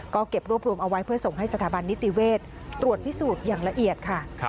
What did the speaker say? ก็เก็บรวบรวมเอาไว้เพื่อส่งให้สถาบันนิติเวศตรวจพิสูจน์อย่างละเอียดค่ะ